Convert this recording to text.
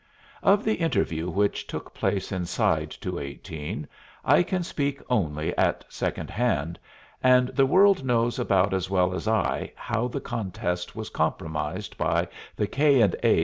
Of the interview which took place inside 218, I can speak only at second hand, and the world knows about as well as I how the contest was compromised by the K. & A.